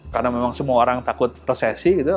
karena memang semua orang takut resesi gitu